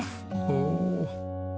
おお。